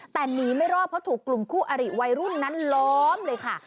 แต่หนีไม่รอดเพราะถูกกลุ่มคู่อริวัยรุ่นนั้นล้อมเลยค่ะ